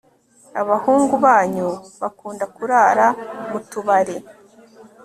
abahungu banyu bakunda kurara mutubari